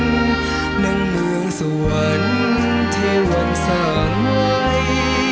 หนังเมืองสวรรค์เทวันสาหร่าย